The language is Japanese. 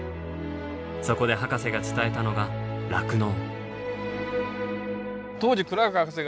そこで博士が伝えたのが酪農。